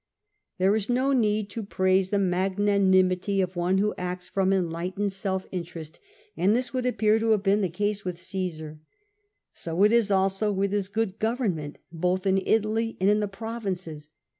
Iliere is no need to praise the magnanimity of one who acts from enlight ened self interest, and this would appear to have been the case with Csesar. So is it also with his good govern ment, both in Italy and in the provinces.